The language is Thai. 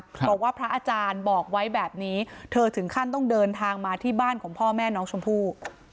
บอกว่าพระอาจารย์บอกไว้แบบนี้เธอถึงขั้นต้องเดินทางมาที่บ้านของพ่อแม่น้องชมพู่